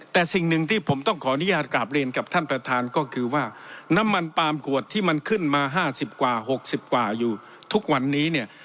แต่สิ่งหนึ่งที่ผมต้องขออนุญาตกราบเรียนกับท่านประธานก็คือว่าน้ำมันปาล์มขวดที่มันขึ้นมา๕๐กว่า๖๐กว่าอยู่ทุกวันนี้เนี่ย